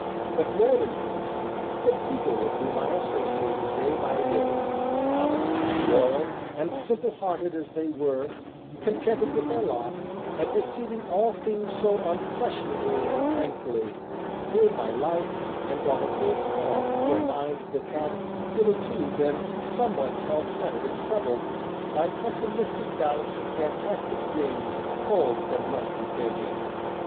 But, more than this, the people with whom I associated day by day honest, loyal, and simple hearted as they were, contented with their lot, and receiving all things so unquestioningly and thankfully, filled my life, and brought a great calm to a mind that had, hitherto, been somewhat self centred and troubled by pessimistic doubts and fantastic dreams culled from musty pages.